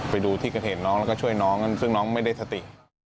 ไปดูที่เกิดเหตุน้องแล้วก็ช่วยน้องซึ่งน้องไม่ได้สติ